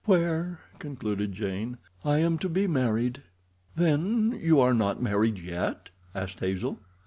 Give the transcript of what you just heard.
"Where," concluded Jane, "I am to be married." "Then you are not married yet?" asked Hazel.